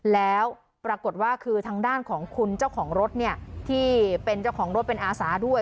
แล้วปรากฏว่าคือทางด้านของคุณเจ้าของรถเนี่ยที่เป็นเจ้าของรถเป็นอาสาด้วย